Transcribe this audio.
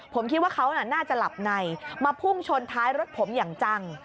ผมคิดว่าเขาน่าจะหลับในมาพุ่งชนท้ายรถผมอย่างจัง